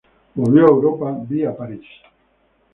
Volvió a Europa via París.